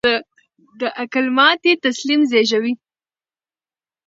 د عقل ماتې تسلیم زېږوي.